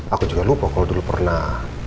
aku juga lupa kalau dulu pernah